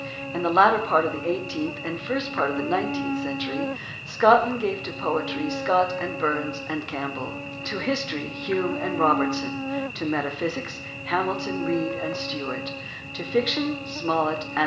In the latter part of the eight eenth and the first part of the nineteenth century Scotland gave to poetry Scott and Burns and Camp bell; to history Hume and Robertson; to metaphysics Hamilton, Reid, and Stewart; to fiction Smollett and 170 JOHN C.